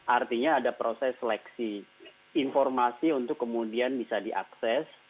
artinya ada proses seleksi informasi untuk kemudian bisa diakses